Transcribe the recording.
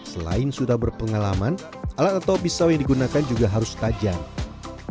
selain sudah berpengalaman alat atau pisau yang digunakan juga harus tajam